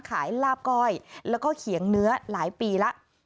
ลาบก้อยแล้วก็เขียงเนื้อหลายปีแล้ว